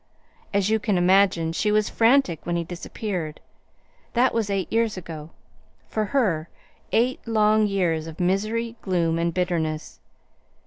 As you can imagine, she was frantic when he disappeared. That was eight years ago for her, eight long years of misery, gloom, and bitterness.